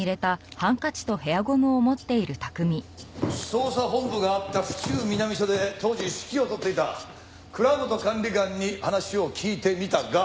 捜査本部があった府中南署で当時指揮を執っていた倉本管理官に話を聞いてみたが。